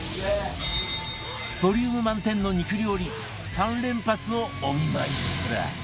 ボリューム満点の肉料理３連発をお見舞いする！